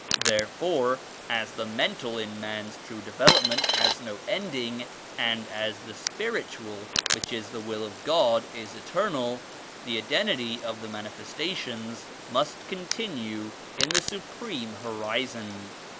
Therefore as the mental in man's true de velopment has no ending, and as the Spiritual ; which is the Will of God is eternal, the Identity of the Manifestations must continue in the Su preme Horizon.